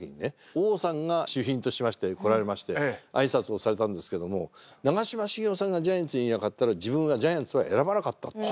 王さんが主賓としまして来られまして挨拶をされたんですけども長嶋茂雄さんがジャイアンツにいなかったら自分はジャイアンツは選ばなかったって。